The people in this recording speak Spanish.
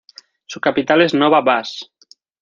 Su capital es Nova Vas.